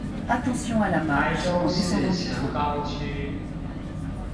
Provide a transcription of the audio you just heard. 台中市神岡區